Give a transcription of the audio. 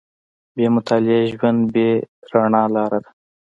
• بې مطالعې ژوند، بې رڼا لاره ده.